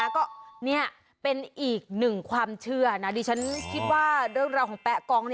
ก็นี่เป็นอีกหนึ่งความเชื่อนะดิฉันคิดว่าเรื่องราวของแป๊ะกอง